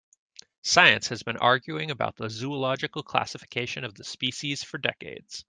Science has been arguing about the zoological classification of the species for decades.